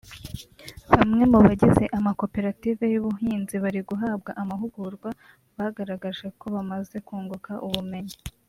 Bamwe mu bagize amakoperative y’ubuhinzi bari guhabwa amahugurwa bagaragaje ko bamaze kunguka ubumenyi